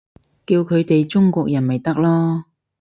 叫佢哋中國人咪得囉